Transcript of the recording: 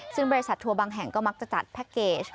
ซึ่งบริษัททัวร์บางแห่งก็มักจะจัดแพ็คเกจ